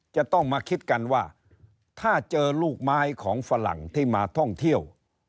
จะต้องมาคิดกันว่าถ้าเจอลูกไม้ของฝรั่งที่มาท่องเที่ยว